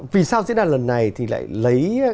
vì sao diễn đàn lần này lại lấy